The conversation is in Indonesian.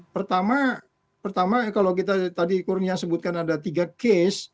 pertama pertama kalau kita tadi kurnia sebutkan ada tiga case